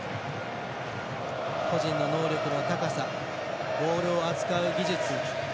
個人の能力の高さボールを扱う技術